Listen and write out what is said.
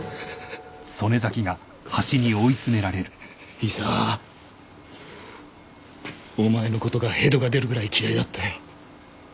井沢お前のことがヘドが出るぐらい嫌いだったよ。